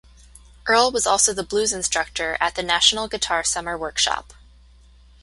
Earl was also the blues instructor at the 'National Guitar Summer Workshop'.